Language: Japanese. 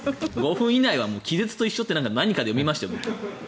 ５分ぐらいは気絶と一緒って何かで読みましたよ。